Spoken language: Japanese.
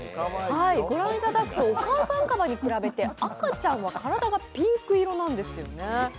御覧いただくとお母さんカバに比べて、赤ちゃんは体がピンク色なんですよね。